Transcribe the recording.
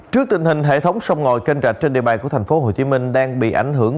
trước tình hình hệ thống sông ngòi kênh rạch trên địa bàn của tp hcm đang bị ảnh hưởng